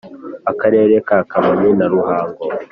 akarere ka kamonyi na ruhango